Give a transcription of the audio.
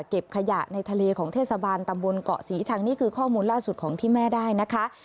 เก็บขยะในทะเลของเทศบาลตำบลเกาะศรีชังนี่คือข้อมูลล่าสุดของที่แม่ได้นะคะ